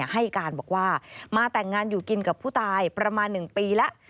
ให้การบอกว่ามาแต่งงานอยู่กินกับผู้ตายประมาณ๑ปีแล้ว